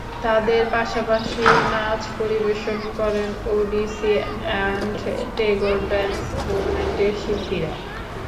তাঁদের পাশাপাশি নাচ পরিবেশন করেন ওডিসি অ্যান্ড টেগর ডান্স মুভমেন্টের শিল্পীরা।